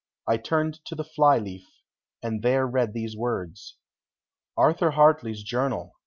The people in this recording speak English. I turned to the fly leaf and there read these words: "Arthur Hartley's journal.